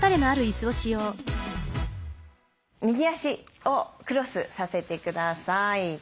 右足をクロスさせてください。